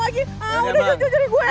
ah udah jujur jujurin gue